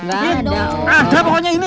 ada pokoknya ini